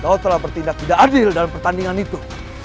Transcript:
kau telah bertindak tidak adil dalam pertandingan itu